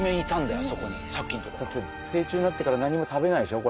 だって成虫になってから何も食べないでしょ